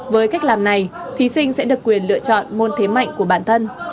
với cách làm này thí sinh sẽ được quyền lựa chọn môn thế mạnh của bản thân